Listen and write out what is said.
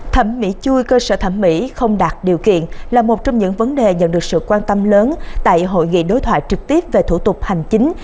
thẩm mỹ chui cơ sở thẩm mỹ không đạt điều kiện là một trong những vấn đề nhận được sự quan tâm lớn tại hội nghị đối thoại trực tiếp về thủ tục hành chính